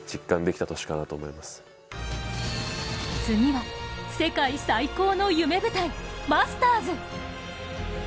次は、世界最高の夢舞台マスターズ。